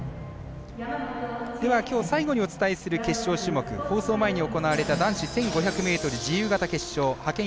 きょう最後にお伝えする決勝種目放送前に行われた男子１５００ｍ決勝派遣